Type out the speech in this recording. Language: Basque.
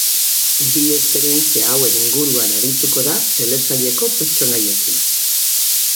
Bi esperientzia hauen inguruan arituko da telesaileko pertsonaiekin.